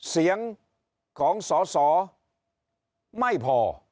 เสียงของสอสอไม่พอ